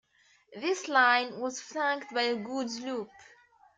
This line was flanked by a goods loop.